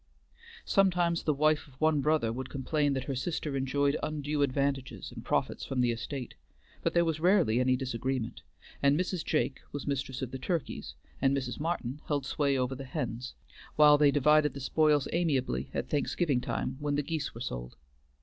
Sometimes the wife of one brother would complain that her sister enjoyed undue advantages and profits from the estate, but there was rarely any disagreement, and Mrs. Jake was mistress of the turkeys and Mrs. Martin held sway over the hens, while they divided the spoils amiably at Thanksgiving time when the geese were sold.